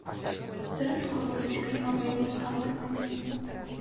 Зрэдку робіць кармавыя запасы на зіму.